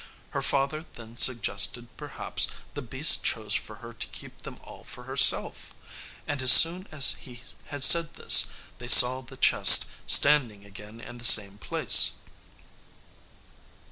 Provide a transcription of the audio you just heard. Her father then suggested perhaps the beast chose for her to keep them all for herself; and as soon as he had said this, they saw the chest standing again in the same place.